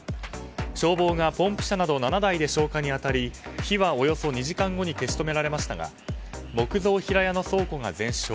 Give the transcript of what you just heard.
消防が、ポンプ車など７台で消火に当たり火はおよそ２時間後に消し止められましたが木造平屋の倉庫が全焼